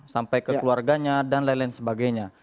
sampai ke keluarganya dan lain lain sebagainya